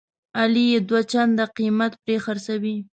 علي یې دوه چنده قیمت پرې خرڅوي.